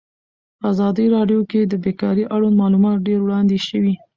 په ازادي راډیو کې د بیکاري اړوند معلومات ډېر وړاندې شوي.